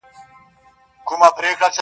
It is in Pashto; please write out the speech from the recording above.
• بریالي وه له دې فتحي یې زړه ښاد وو -